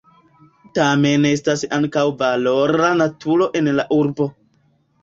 Tamen estas ankaŭ valora naturo en la urbo.